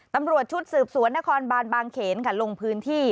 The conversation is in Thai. ตำรวจชุดสืบสวนนครบานบางเขนค่ะลงพื้นที่